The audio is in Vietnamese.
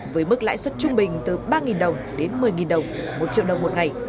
với mức lãi suất trung bình từ ba đồng đến một mươi đồng một triệu đồng một ngày